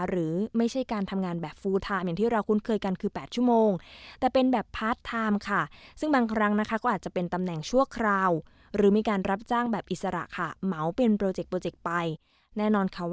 หรือไม่ใช่การทำงานแบบฟูลไทม์อย่างที่เราคุ้นเคยกันคือ๘ชั่วโมง